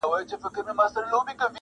هم یې وروڼه هم ورېرونه وه وژلي!.